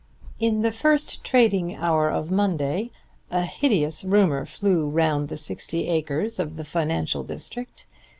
In the first trading hour of Monday a hideous rumor flew round the sixty acres of the financial district.